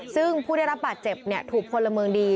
ซึ่งผู้ได้รับบาดเจ็บถูกพลเมืองดี